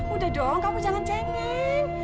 udah dong kamu jangan cengeng